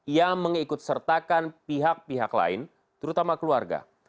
yang mengikut sertakan pihak pihak lain terutama keluarga